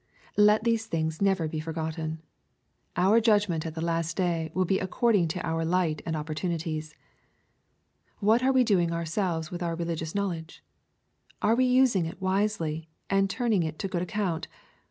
Let these things never be forgotten. Our judgment at the last day will be according to our light and opportunities. What are we doing ourselves with our religious knowl edge ? Are we using it wisely, and turning it to good account